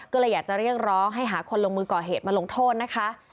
ก็เลยอยากจะเรียกร้องให้หาคนลงมือก่อเหตุมาลงโทษนะคะ